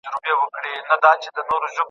مطالعه ماشوم ته د نوښت فکر ورکوي.